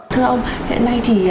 thưa ông hiện nay thì